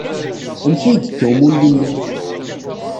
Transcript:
Amek ay yekka umulli-nnem?